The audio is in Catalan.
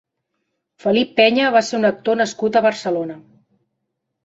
Felip Peña va ser un actor nascut a Barcelona.